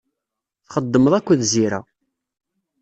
Txeddmeḍ akked Zira.